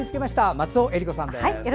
松尾衣里子さんです。